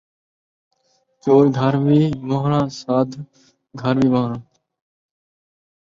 چور گھر وی وہݨا ، سادھ گھر وی وہݨا